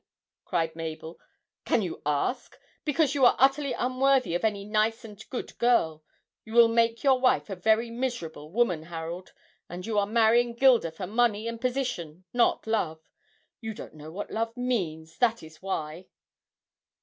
cried Mabel. 'Can you ask? Because you are utterly unworthy of any nice and good girl you will make your wife a very miserable woman, Harold and you are marrying Gilda for money and position, not love you don't know what love means, that is why!'